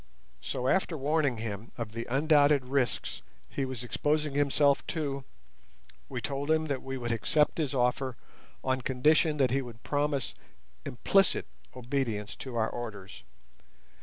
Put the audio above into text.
So, after warning him of the undoubted risks he was exposing himself to, we told him that we would accept his offer on condition that he would promise implicit obedience to our orders.